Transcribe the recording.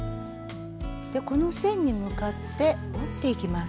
この線に向かって折っていきます。